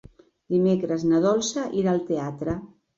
Dimecres na Dolça irà al teatre.